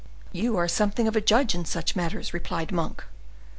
"You are something of a judge in such matters," replied Monk.